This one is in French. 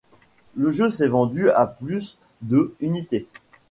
Le jeu s'est vendu à plus de unités.